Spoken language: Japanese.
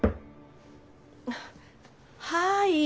はい。